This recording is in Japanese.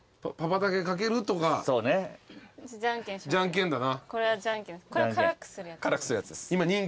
じゃんけんぽい。